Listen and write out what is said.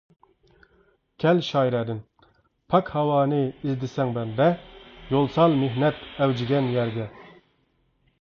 («كەل شائىرە»دىن) پاك ھاۋانى ئىزدىسەڭ بەندە، يول سال مېھنەت ئەۋجىگەن يەرگە.